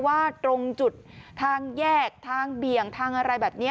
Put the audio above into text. ว่าตรงจุดทางแยกทางเบี่ยงทางอะไรแบบนี้